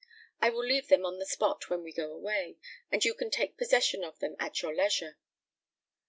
I will leave them on the spot when we go away, and you can take possession of them at your leisure.